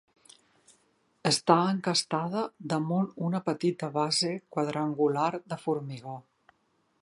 Està encastada damunt una petita base quadrangular de formigó.